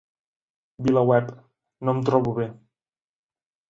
VilaWeb: No em trobo bé.